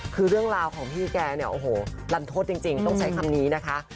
คือเรื่องราวของพี่แกเนี่ยโอ้โหลันทศจริงต้องใช้คำนี้นะคะ